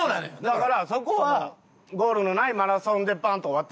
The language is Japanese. だからそこはゴールのないマラソンでパンッと終わってていいと思う。